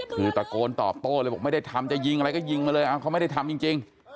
คือตะโกนตอบโต้เลยบอกไม่ได้ทำจะยิงอะไรก็ยิงมาเลยเขาไม่ได้ทำจริง